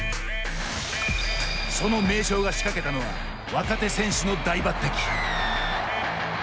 その名将が仕掛けたのは若手選手の大抜てき。